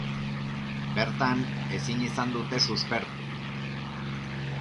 Bertan, ezin izan dute suspertu.